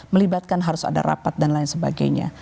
melibatkan harus ada rapat dan lain sebagainya